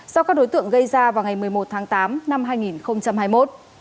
do các đối tượng gây ra vào ngày một mươi một tháng tám năm hai nghìn hai mươi một